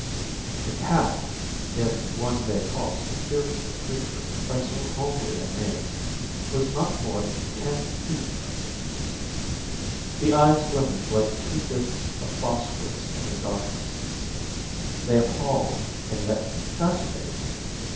The cat (if one may call so fearful a creature by so homely a name) was not more than ten feet from me. The eyes glimmered like two disks of phosphorus in the darkness. They appalled and yet fascinated me.